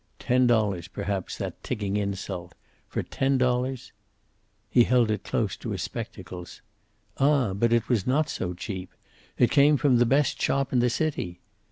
Ten dollars, perhaps, that ticking insult. For ten dollars He held it close to his spectacles. Ah, but it was not so cheap. It came from the best shop in the city.